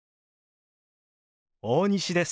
大西です。